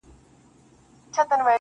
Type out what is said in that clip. دا ستا ښكلا ته شعر ليكم.